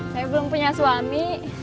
saya belum punya suami